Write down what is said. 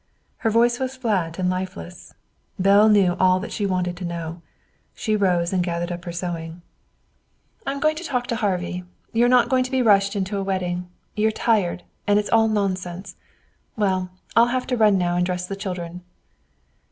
Her voice was flat and lifeless. Belle knew all that she wanted to know. She rose and gathered up her sewing. "I'm going to talk to Harvey. You're not going to be rushed into a wedding. You're tired, and it's all nonsense. Well, I'll have to run now and dress the children."